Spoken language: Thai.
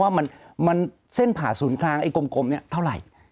ว่ามันเส้นผ่าศูนย์กลางไอ้กลมเนี่ยเท่าไหร่